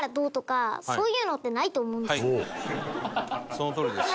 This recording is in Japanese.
そのとおりです。